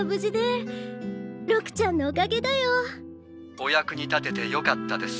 お役に立ててよかったです。